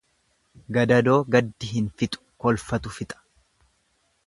Gadadoo gaddi hin fixu kolfatu fixa.